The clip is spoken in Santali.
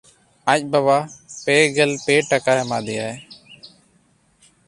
ᱟᱡ ᱵᱟᱵᱟ ᱯᱮᱜᱮᱞ ᱯᱮ ᱴᱟᱠᱟ ᱮᱢᱟ ᱫᱮᱭᱟᱭ᱾